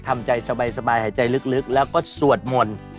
ทำใจสบายหายใจลึกแล้วก็สวดมนต์